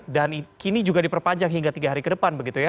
dan kini juga diperpanjang hingga tiga hari ke depan